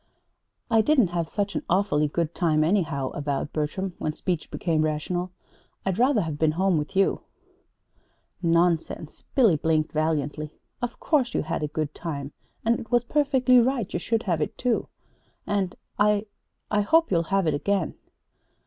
"I didn't have such an awfully good time, anyhow," avowed Bertram, when speech became rational. "I'd rather have been home with you." "Nonsense!" blinked Billy, valiantly. "Of course you had a good time; and it was perfectly right you should have it, too! And I I hope you'll have it again."